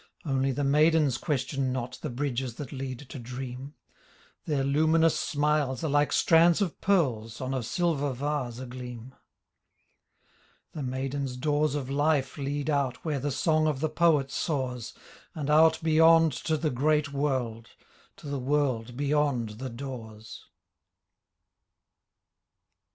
Only the maidens question not The bridges that lead to Dream; Their luminous smiles are like strands of pearls On a silver vase agleam. The maidens' doors of Life lead out Where the song of the poet soars. And out beyond to the great world — To the world beyond the doors.